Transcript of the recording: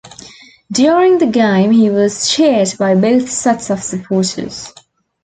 During the game he was cheered by both sets of supporters.